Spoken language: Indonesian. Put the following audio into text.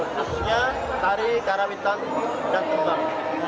khususnya tari karawitan dan tumbang